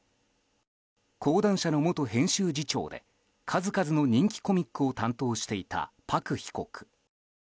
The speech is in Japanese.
講談社の元編集次長で数々の人気コミックを担当していたパク被告。